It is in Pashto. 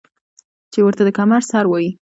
چې ورته د کمر سر وايي ـ